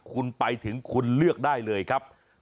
คุณไปถึงคุณเลือกได้เลยครับ